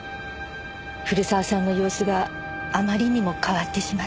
古澤さんの様子があまりにも変わってしまって。